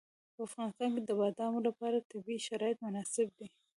په افغانستان کې د بادامو لپاره طبیعي شرایط مناسب دي.